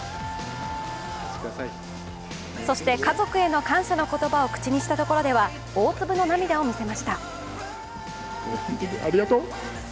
そして、家族への感謝の言葉を口にしたところでは大粒の涙を見せました。